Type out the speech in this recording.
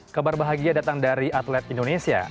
kabar bahagia datang dari atlet indonesia